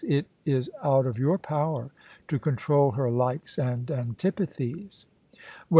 It is out of your power to control her likes and antipathies. Well